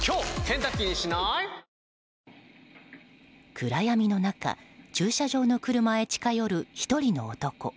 暗闇の中駐車場の車へ近寄る１人の男。